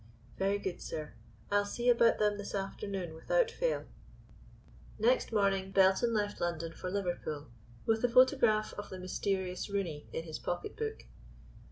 "Very good sir. I'll see about them this afternoon without fail." Next morning, Belton left London for Liverpool, with the photograph of the mysterious Rooney in his pocket book.